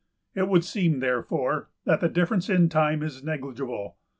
It would seem, therefore, that the difference in time is negligible.